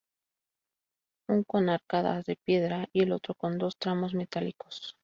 Un con arcadas de piedra y el otro con dos tramos metálicos.